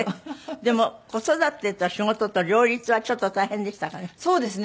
でも子育てと仕事と両立はちょっと大変でしたかね？